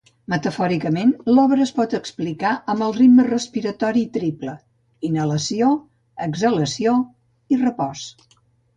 Metafòricament, l'obra es pot explicar amb el ritme respiratori triple: inhalació, exhalació i repòs.